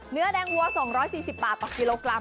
เนื้อแดงวัว๒๔๐บาทต่อกิโลกรัม